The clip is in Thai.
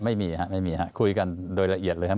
ไม่มีครับคุยกันโดยละเอียดเลยครับ